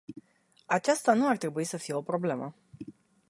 Aceasta nu ar trebui să fie o problemă.